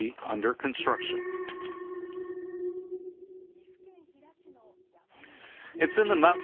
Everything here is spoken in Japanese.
岐阜県飛騨市の山の中。